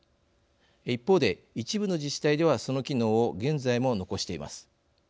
一方で一部の自治体ではその機能を現在も残しています。